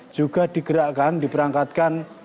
juga digerakkan diberangkatkan